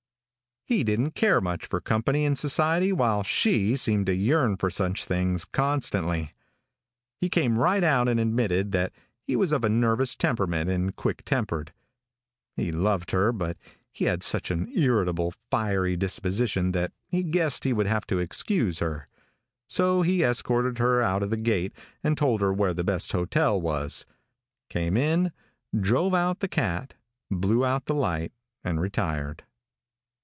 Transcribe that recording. He didn't care much for company and society while she seemed to yearn for such things constantly. He came right out and admitted that he was of a nervous temperament and quick tempered. He loved her, but he had such an irritable, fiery disposition that he guessed he would have to excuse her; so he escorted her out to the gate and told her where the best hotel was, came in, drove out the cat, blew out the light and retired.